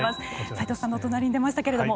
斎藤さんの隣に出ましたけれども。